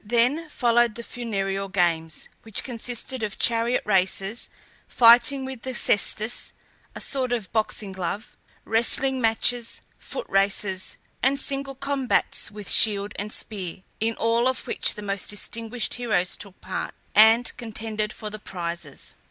Then followed the funereal games, which consisted of chariot races, fighting with the cestus (a sort of boxing glove), wrestling matches, foot races, and single combats with shield and spear, in all of which the most distinguished heroes took part, and contended for the prizes.